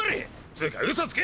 つか嘘つけ！